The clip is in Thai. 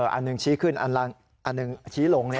อันหนึ่งชี้ขึ้นอันหนึ่งชี้ลง